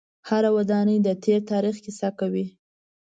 هره ودانۍ د تیر تاریخ کیسه کوي.